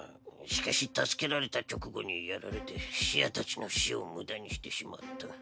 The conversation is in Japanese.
しかし助けられた直後にやられてシアたちの死を無駄にしてしまった。